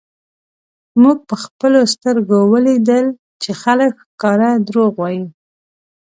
مونږ په خپلو سترږو ولیدل چی خلک ښکاره درواغ وایی